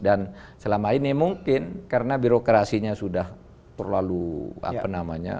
dan selama ini mungkin karena birokrasinya sudah terlalu apa namanya